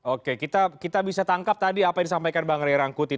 oke kita bisa tangkap tadi apa yang disampaikan bang ray rangkuti